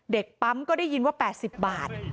เด็กปั๊มก็ได้ยินว่า๘๐บาท